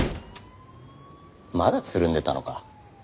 まだつるんでたのか？